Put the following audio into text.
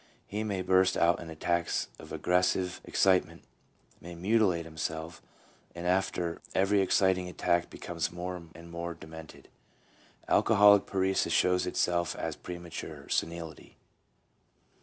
He may burst out in attacks of aggressive excitement, may mutilate himself, and after every exciting attack becomes more and more demented. 2 Alcoholic paresis shows itself as premature senility.